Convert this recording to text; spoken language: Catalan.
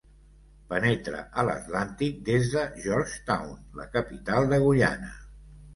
Penetra a l'Atlàntic des de Georgetown, la capital de Guyana.